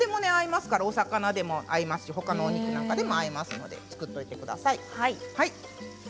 お魚でもほかのお肉でも合いますので作っておいてください。